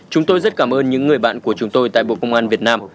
chúng tôi rất cảm ơn những người bạn của chúng tôi tại bộ công an việt nam